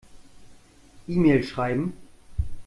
E-Mail schreiben.